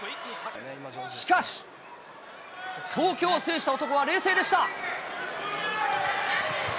しかし、東京を制した男は冷静でした。